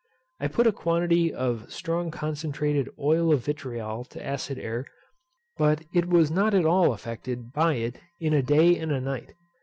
I put a quantity of strong concentrated oil of vitriol to acid air, but it was not at all affected by it in a day and a night.